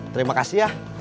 terima kasih ya